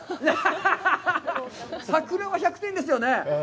桜は１００点ですよね。